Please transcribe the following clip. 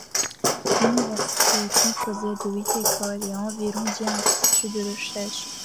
L'université est composée de huit écoles et environ dix instituts de recherche.